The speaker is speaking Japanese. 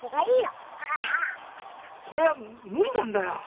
それは無理なんだよ。